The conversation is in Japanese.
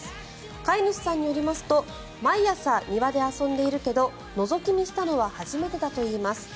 飼い主さんによりますと毎朝、庭で遊んでいるけどのぞき見したのは初めてだといいます。